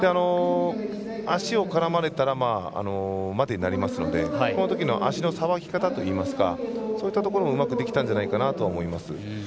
足を絡まれたら待てになりますのでこのときの足のさばき方といいますかそういったところもうまくできたんじゃないかなと思います。